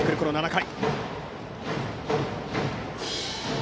７回。